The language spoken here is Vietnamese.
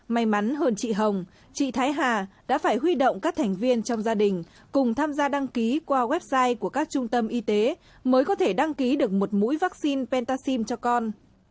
may mắn hơn chị hồng chị thái hà đã phải huy động các thành viên trong gia đình cùng tham gia đăng ký qua website của các trung tâm y tế mới có thể đăng ký được một mũi vaccine pentaxim cho con